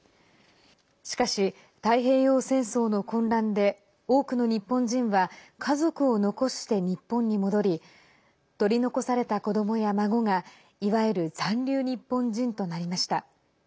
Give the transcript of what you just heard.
しかし、太平洋戦争の混乱で多くの日本人は家族を残して日本に戻り取り残された子どもや孫がいわゆる残留日本人となりました。